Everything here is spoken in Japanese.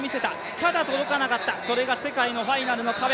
ただ届かなかった、それが世界のファイナルの壁。